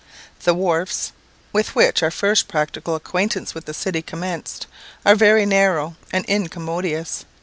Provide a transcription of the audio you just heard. The wharfs, with which our first practical acquaintance with the city commenced, are very narrow and incommodious.